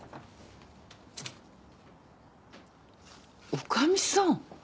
女将さん。